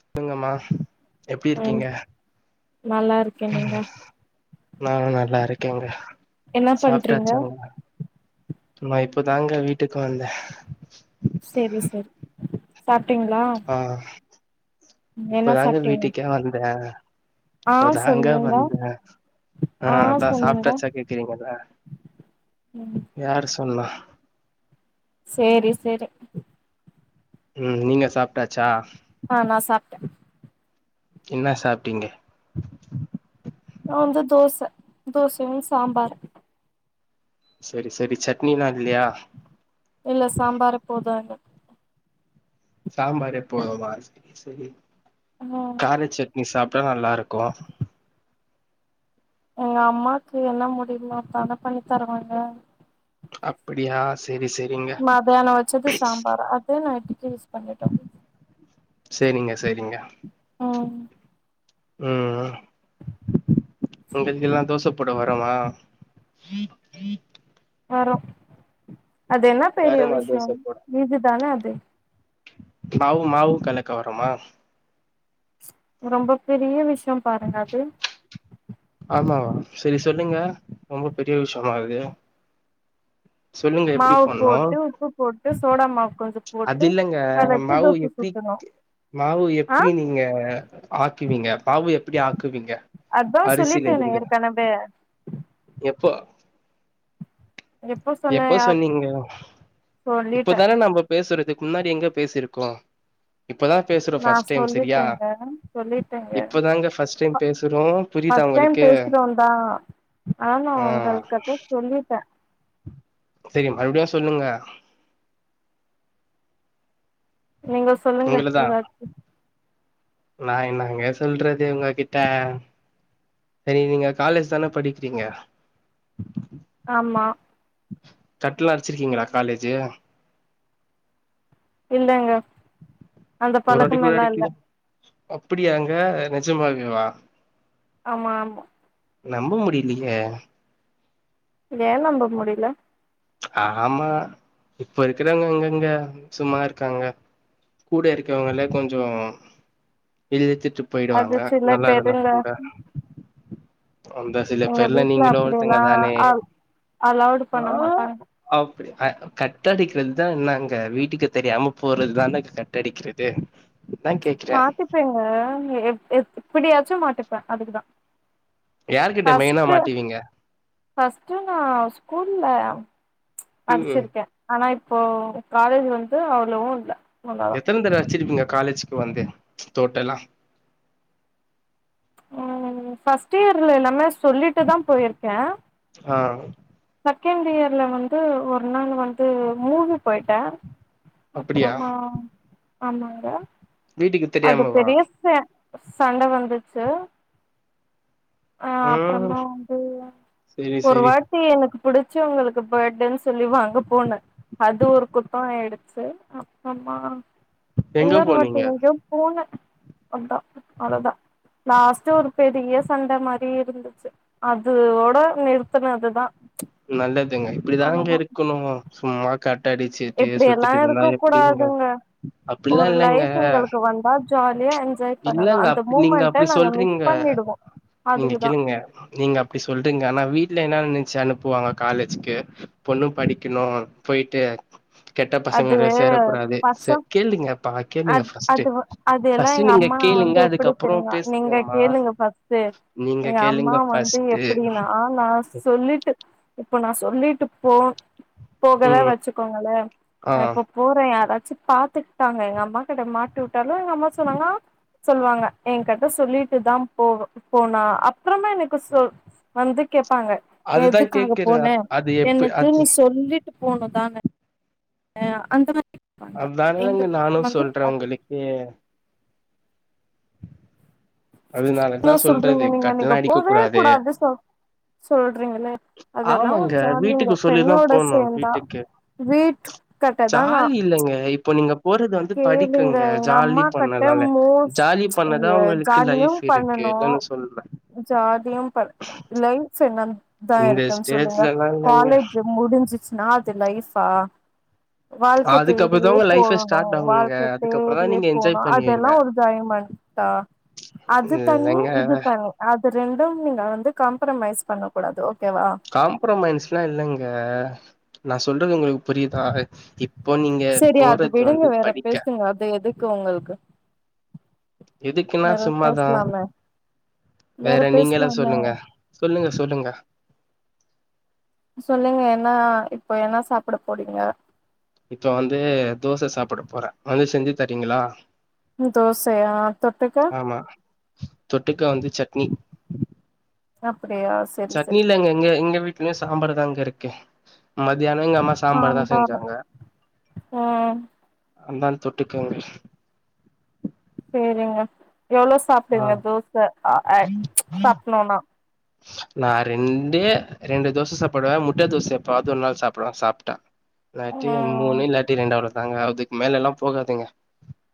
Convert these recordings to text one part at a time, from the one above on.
சொல்லங்கம்மா எப்டி ம் இருக்கீங்க நல்லா இருக்கே நீங்க நானு நல்லா இருக்கேங்க என்ன பண்றீங்க சாப்பிட்டாச்சாங்க ந இப்பதாங்க வீட்டுக்கும் வந்தேன் சாப்பிட்டீங்களா ஆ இப்பதாங்க வீட்டுக்கே வந்தேன் ஆ இப்பதாங்க சொன்னீங்க வந்தன் ஆ அதான் சாப்பிட்டாச்சா கேக்குறீங்கள ம் யார் சொல்ல செரி செரி ம் நீங்க சாப்பிட்டாச்சா ஆ நா சாப்பிட்டேன் என்ன சாப்பிட்டீங்க நா வந்து தோச தோசயும் சாம்பாரும் செரி செரி சட்னிலாம் இல்லயா இல்ல சாம்பார் போது எனக்கு சாம்பாரு எப்போவுமா செரி ம் கார சட்னி சாப் அப்றோ நல்லா இருக்கும் எங்க அம்மாக்கு என்ன முடியுமோ அப்ப அத பண்ணி தருவாங்க அப்டியா மத்தியானம் வச்சது சாம்பார் அதே நைட்டுக்கு யூஸ் பண்ணிட்டோம் செரிங்க செரிங்க ம் ம் உங்களுக்கு எல்லா தோசை போட வரவா வரோம் அது என்ன பெரிய வருமா தோச விஷயம் போட இது தானே தே மாவு மாவும் கலக்க வருமா ரொம்ப பெரிய விஷயம் பாருங்க அது ஆமா செரி சொல்லுங்க ரொம்ப பெரிய விஷயமா அது சொல்லுங்க எப்டி மாவு பண்ணனும் போட்டு உப்பு போட்டு சோடா மாவு கொஞ்சோ அது போட்டு இல்லங்க கலக்கி மாவு தோச எப்டி சுட்டணு மாவு ஆ எப்டி நீங்க ஆக்குவீங்க மாவு எப்டி ஆக்குவீங்க அதான் அரிசில சொல்லிட்டனே இருந்து ஏற்கனவே எப்போ சொன்னே எப்போ ஞாப் சொன்னீங்க இப்ப சொல்லிட்டே தானே நம்ம பேசுற அதுக்கு முன்னாடி எங்க பேசிருக்கோம் நா சொல்லிட்டேங்க சொல்லிட்டேங்க இப்பதாங்க ஃபர்ஸ்ட் டைம் பேசுறோ புரியுதா ஃபஸ்ட் டைம் உங்களுக்கு பேசுறோம் தா ஆனா நா உங்கக்கிட்ட சொல்லிட்டேன் செரி மறுபடியும் சொல்லுங்க நீங்க சொல்லுங்க ஏதாச்சும் நான் என்னங்க சொல்றது உங்க கிட்ட செரி நீங்க காலேஜ் தானே படிக்கிறீங்க ஆமா கட்லாம் அடிச்சிருக்கீங்களா காலேஜு இல்லங்க அந்த பழக்கமே எல்லா இல்ல அப்டியாங்க நிஜமாவே வா ஆமா ஆமா நம்ப முடியலயே ஏன் நம்ப முடில ஆமா இப்ப இருக்கிறவங்க எங்கங்க சும்மா இருக்காங்க கூட இருக்கிறவங்கல்ல கொஞ்சம் இழுத்துட்டு போயிடுவாங்க அது சில நல்லா இருந்தா பேருங்க கூட அந்த சில எங்க பேர்ல வீட்டுல நீங்களு அப்டி ஒருத்தங்க எல்லா தானே அ அலோடு பண்ண மாட்டாங்க அப்டி கட்ட அடிக்கிறது தா என்னங்க வீட்டுக்கு தெரியாம போறதுதானங்க கட்ட அடிக்கிறது அதா கேக்குறே மாத்திப்பேங்க எப்டிய வது பச்ச மாட்டுப்பேன் அதுக்குதான் யார்கிட்ட மெயினா ஃபஸ்ட மாட்டுவீங்க ஃபஸ்ட்டு நா ஸ்கூல்ல ம் படிச்சிருக்கேன் ஆனா இப் இப்போ காலேஜ் வந்து அவ்ளோவும் இல்ல அவ்ளதா எத்தன தடவ அடிச்சிருப்பீங்க காலேஜுக்கு வந்து தோட்டல்லா ம் ஃப்ஸ்ட் இயர்ல எல்லாமே சொல்லிட்டு தா போயிருக்கேன் ஆ செகண்ட் இயர்ல வந்து ஒரு நாள் வந்து மூவி போயிட்டேன் அப்டியா அப்றோமா ஆமாங்கா வீட்டுக்கு அது தெரியாமவா பெரிசு சண்டை வந்துச்சு அ ம் அப்றோமா வந்து செரி ஒரு செரி வாட்டி எனக்கு புடிச்சவங்களுக்கு பேர்த்டேன்னு சொல்லி வாங்கும் போனேன் அது ஒரு குத்தம் ஆயிடுச்சு அப்றோமா எங்க இன்னொரு வாட்டி போனீங்க எங்கையோ போனே அதா அவ்ளோதா லாஸ்ட்ட் ஒரு பெரிய சண்டை மாதிரி இருந்துச்சு அதோட நிறுத்தனதுதா நல்லதுங்க இப்படிதாங்க இருக்கணு சும்மா கட்ட அடிச்சுட்டு இப்டியெல்லா சுத்திட்டு இருந்தா இருக்க எப்படிங்க கூடாதுங்க அப்படிலா ஒரு இல்லங்க லைஃப் எங்களுக்கு வந்தா ஜாலியா என்ஜாய் பண்ணனு இல்லங்க அந்த அப் நீங்க மூமெண்ட்ட அப்படி நாங்க மிஸ் சொல்றீங்க பண்ணிடுவோ நீங்க அதுக்குதா கேளுங்க நீங்க அப்படி சொல்றீங்க ஆனா வீட்டு வீட்ல என்ன நெனச்சு அனுப் புவாங்க காலேஜ்க்கு பொண்ணு படிக்கணு போயிட்டு கெட்ட பசங்க அது கூட சேர கூடாது சர் கேளுங்கப்பா அ கேளுங்க ஃபஸ்ட்டு அது அது எல்லா ஃபஸ்ட்டு எங்க நீங்க அம்மா வந்து கேளுங்க எப்படி அதுக்கப்றோ தெரியங்கா நீங்க பேசுங்கம்மா கேளுங்க ஃபஸ்ட்ட் நீங்க எங்க அம்மா கேளுங்க வந்து ஃபஸ்ட்டு எப்படின்னா நா சொல்லிட்டு இப்ப நா சொல்லிட்டு போ போகல ம் வச்சுக்கோங்களே ஆ நா இப்போ போறே யாரா சு பார்த்து அம்மா கிட்ட மாட்டி விட்டாலு எங்க அம்மா சொன்னாங்க சொல்லுவாங்க என் கிட்ட சொல்லிட்டு தா போ போனா அப்புறமா எனக்கு சொ வந்து கேப்பாங் கேப்பாங்க அதுதா எதுக்அங்க கேக்குற போனே அது எப்ப எனக்கு அது நீ சொல்லிட்டு போனுதானே ஆ அந்த எங்க அதானங்க நானு வீட்ல வந்து சொல்றே அது உங்களுக்கு என்ன அதனாலதா சொல்றீங்க சொல்றது நீங்க கட்லா நீங்க அடிக்க போவே கூடாது சொ சொல்றீங்களே அதெல்லா ஒரு ஆமாங்க ஜாலிங்க வீட்டுக்கு சொல்லிதா பெண்ணோட போனு சேர்ந்தா வீட்டுக்கு வீட்டு கட்டதா நா ஜாலி இல்லங்க இப்போ நீங்க போறது வந்து கேளுங்க படிக்கங்க எங்க ஜாலி அம்மா கட்ட பண்ணலால ஜாலி பண்ணதா அவங்களுக்கு நீயு பண்ணணு ஜாலியு பண்ணு லைஃப் செ நன் தா இந்த இருக்குன்னு சொல்லுங்க ஸ்டேஜ்லல்லா இல்லங்க காலேஜ் முடிஞ்சுச்சனா அது லைஃப் பா அதுக்கு அப்புற தா உங்க லைஃப்ஃபே ஸ்டார்ட் ஆகுங்க வாழ்க்கை அதுக்கப்புறதா தேடியே நீங்க போனு என்ஜாய் பண்ணுவீங்க அதெல்லா ஒரு என்ஜாய்மென்ட்டா அது தனி இல்லங்க இது தனி அது ரெண்டு நீங்க வந்து காம்ப்ரமைஸ் பண்ணக்கூடாது ஓ காம்ப்ரமைன்ஸ்ல்லா இல்லங்க நா சொல்றது உங்களுக்கு புரியுதா இப்போ நீங்க சரி அது போறது விடுங்க வந்து வேற படிக்க பேசுங்க அது எதுக்கு உங்களுக்கு [inaudible] எதுக்குன்னா வேற சும்மா தா பேசலாமே வேற நீங்க எல்லா சொல்லுங்க சொல்லுங்க சொல்லுங்க சொல்லுங்க என்னா இப்போ என்ன சாப்பிட போறீங்க இப்ப வந்து தோச சாப்பிட போறேன் வந்து செஞ்சுதரீங்களா தோசையா தொட்டுக்க ஆமா தொட்டுக்க வந்து சட்னி அப் சட்னி இல்லங்க எங்க எங்க வீட் லயும் சாம்பாரு தாங்க இருக்கு மதி யானமும் எங்க அம்மா சாம்பாரு தா சாம்பார் செஞ்சாங்க ம் தொட்டுக்கங்க செரிங்க எவ்ளோ ஆ சாப்பிடுங்க தோசை அ சாப்டனும்னா நா ரெண்டு ரெண்டு தோசை சாப்பிடுவேன் முட்டை தோசை எப்பாது ஒரு நாள் சாப்பிடுவேன் சாப்பிட்டா லாத்தி ம் மூணு இல்லாத்தி ரெண்டு அவ்ளோ தா நாங்க அதுக்கு மேல எல்லா போகா தூங்க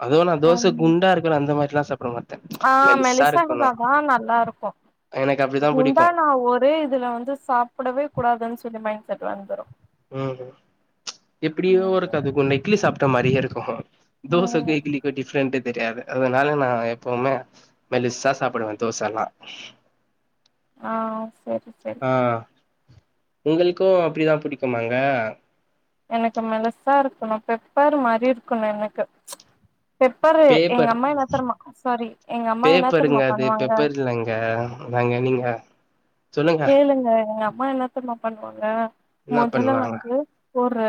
அதுவும் நா தோசை ம் குண்டா இருக்கும்ல அந்த மாரி லாம் சாப்படுங்க ஆ மெலிச இருந்தா தான் நல்லா இருக்கும் எனக்கு அப்டிதா உண்டா புடிக்கு நா ஒரே இதுல வந்து சாப்பிடவே கூடாதுன்னு சொல் மயின்ட்செட் வந்துரும் ம் ம் எப்டியோருக்கு அது இட்லி சாப் ட மாரியே இருக்கும் ம் தோசைக்கும் இட்லிக்கும் டிப்ஃரெண்டு தெரியாது அதனால நா எப்பவுமே மெலிசா சாப்பிடுவேன் தோசைலாம் ஆ செரி செரி ஆ உங்களுக்கும் அப்டி தா பிடிக்குமாங்க எனக்கு மெலிசா இருக்கணும் பெப்பர் மாரி இருக்கணும் எனக்கு பெப்பரு எங்க பேப்பர் அம்மா என்னா தெருமா சாரி எங்க அம்மா என்னா பேப்பருங்க தெரியமா அது பண்ணுவாங்க பெப்பர் இல்லங்க நாங்க நீங்க சொல்லுங்க கேளுங்க அம்மா என்ன தெர்மா பண்ணுவாங்க என்ன முதல்ல பண்ணுவாங்க வந்து ஒரு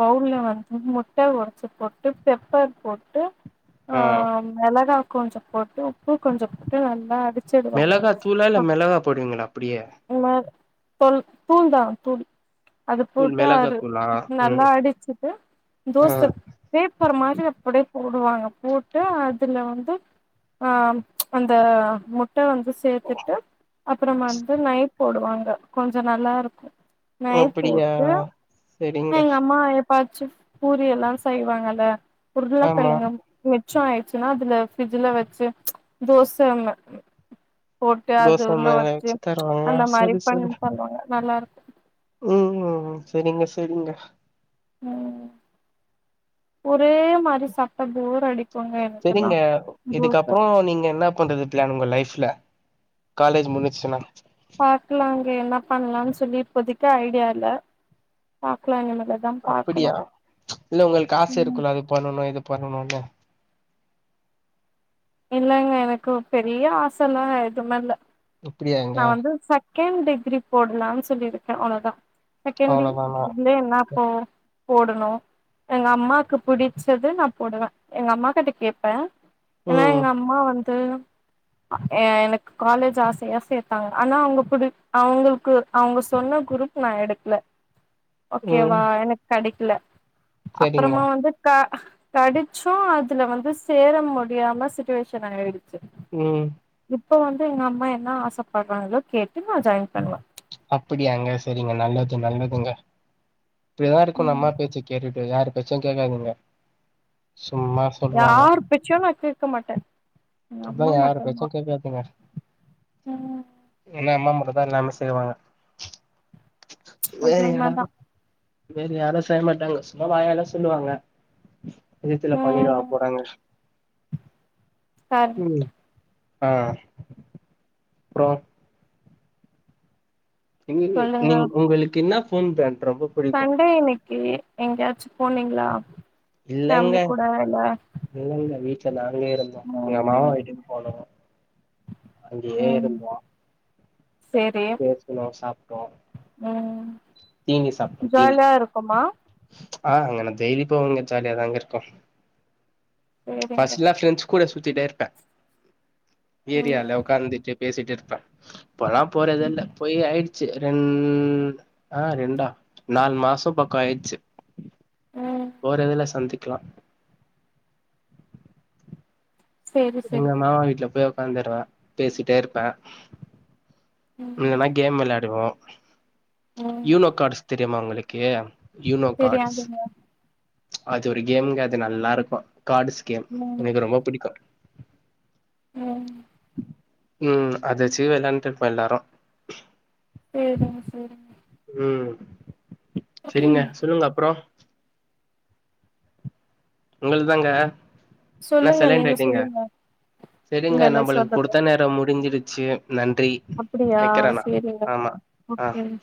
பவுல்ல வந் முட்ட ஒடைச்சி போட்டு பெப்பர் போட்டு ஆ மேளகா கொஞ்சம் போட்டு உப்பு கொஞ்சம் போட்டு நல்லா அடிச் மிளகா தூளா இல்ல மிளகா போடுவீங்களா அப்டியே தல் தூள் தான் தூள் அது தூள் போட்டு அரு மிளகாத்தூளா நல்லா ம் அடிச்சுட்டு ஆ தோச பேப்பர் மாரி அப்டியே போடுவாங்க போட்டு அதுல வந்து ஆ அந்த முட்ட வந்து சேத்துட்டு அப்றோமா நைட் போடுவாங்க கொஞ்சம் நல்லா இருக்கு நெய் அப்டியா சேரிங்க பச்சு பூரி எல்லா செய்வாங்கல்ல ஆமா உருளக்கிழங்கு மிச்சம் ஆயிடுச்சுன்னா அதுல ஃபரிட்ஜ்ல வச்சு தோச போட்டு அது தோச உள்ள மேல வச்சு தருவாங்களா அந்த மாரி செரி பண்ணி செரி தந்தாங்க நல்லா இருக்கு ம் செரிங்க செரிங்க ம் பு ஒரே மாரி சாப்ட்டா போர் அடிக்குங்க செரிங்க எனக்கெல்லாம் இதுக்கப்றோ நீங்க என்ன பண்றது பிளான் உங்க லைஃப்ல காலேஜ் முடிஞ்சிச்சுன்னா பாக்கலாங்க என்ன பண்ணலாம்னு சொல்லி இப்போதைக்கு ஐடியா இல்ல பாக்கலாம் அப்டியா இல்ல உங்களுக்கு ஆச ம் இருக்குல அது பண்ணணும் இது பண்ணனும்னு இல்லங்க எனக்கு பெரிய ஆசை எல்லா எதுமே இல்ல அப்டியாங்க கேம் டிகிரி போடலாம் சொல்லிருக்கேன் அவளே தான் செகண்டரி அவ்ளோதானா இதுலே என்னப்போ போடணும் எங்க அம்மாக்கு புடிச்சது நா போடுவேன் எங்க அம்மா கிட்ட கேப்பேன் என்னா ம் எங்க அம்மா வந் து எனக்கு காலேஜ் ஆசையா சேத்தாங்க ஆனா அவங்க புடி அவங்களுக்கு அவுங்க சொன்ன குரூப் நான் எடுக்கல ம் ஓகேவா எனக் கடைக் இல்ல செரிங்க அப்பறமா வந்து கா கெடச்சு அதுல வந்து சேர மு டியான சிட்டுவேஷன் ஆயிடுச்சு ம் இப்ப வந்து எங்க அம்மா என்ன ஆசப்பட்றாங்களோ கேட்டு நா ஜாய்ன் பண்ணுவ அப்பிடியாங்க செரிங்க நல்லது நல்லதுங்க இப்டிதா இருக்கனு ம் அம்மா பேச்சு கேட்டுட்டு யாரு பேச்சு கேக்காதீங்க சும்மா யார் பேச்சு நா கே க்க மாட்டே எங்க அதா அம்மா யாரு மட்டுந்தா பேச்சு கேக்காதீங்க ம் ஏனா அம்மா ம ட்டுந்தா நன்ம செய்வாங்க அது வேற உண்மதா யாரு வேற யாரு செய்ய மாட்டாங்க சும்மா வாயால சொல்லுவாங்க நிஜத்துல பண்ணிடவா ம் போறாங்க சரி ம் ஆ அப்றோ [unintelligible] சொல்லுங்க நீங் உங்களுக்கென்னா [unintelligible] சண்டே இன்னக்கி எங்யாச்சு போனீங்ளா? இல்லங்க இல்லங்க வீட்லதாங்க இருந்தோ எங்க மாமா ம் வீட்டுக்கு போனோ அங்கெயே ம் இருந்தோ சேரி பேசுனோ சாப்ட்டோ ம் தீனி சாப்ட்டோ தீனி ஜாலியா இருக்குமா? ஆ அங்க நா டெய்லி போவெங்க ஜாலியா தாங்க இருக்கு சேரிங்க ஃபஸ்ட்லா ஃப்ரெண்ட்ஸ் கூட சு த்திட்டே இருப்பே ஏரியால ம் உக்காந்துட்டு பேசிட்டு இருப்பே இப்பலா போறதெல்ல போய் ஆயிடு ச்சு ரெண் ஆ ரெண்டா நால் மாச பக்கொ ஆயிடுச்சு ம் போறதுல்ல சந்தி கிலா சேரி சேரி எங்க மாமா வீட்ல போ ஒக்காந்துருவேன் பேசிட்டே இருப்பேன் ம் இல்லைன்னா கேம் வெளாடுவோம் ம் யூனோ காட்ஸ் தி தெமா ஓங்களுக்கு யூனோ காட்ஸ் தெரியாதுங்க அது ஒரு கேமுங்க அது நல்லாருக்கும் காடுஸ் கேம் ம் எனக்கு ரொம்ப புடிக்கும் ம் ம் அத வச்சு வெளாண்டு இருப்போம் எல்லாரும் சேரிங்க சேரிங்க ம் சரிங்க சொல்லுங்க அப்றோ உங்கள் தாங்க என்ன சொல்லுங்க சைலண்ட் நீங்க ஆயிட்டீங்க சொல்லுங்க இல்ல சரிங்க இல்ல நம்மளுக்கு சொல்லுங்க குடுத்த நேரம் முடிஞ்சிருச் சி அப்டியா சரிங்க ஆமா ஆ ஓகேங்க